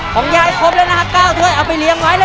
ของยายครบแล้วนะคะเก้าถ้วยเอาไปเรียงไว้แล้ว